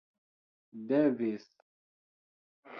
devis